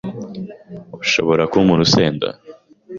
Ushobora kumpa urusenda?